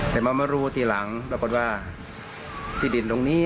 ได้มามะรูตีหลังก็ว่าที่ดินตรงนี้